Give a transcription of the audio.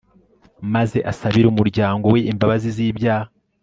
maze asabire umuryango we imbabazi z'ibyaha